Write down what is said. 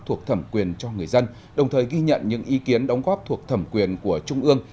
thuộc thẩm quyền cho người dân đồng thời ghi nhận những ý kiến đóng góp thuộc thẩm quyền của trung ương